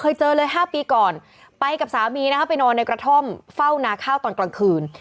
เคยเจอเลย๕ปีก่อนไปกับสามีนะคะไปนอนในกระท่อมเฝ้านาข้าวตอนกลางคืน